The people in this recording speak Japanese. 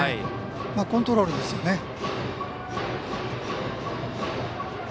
コントロールですよね。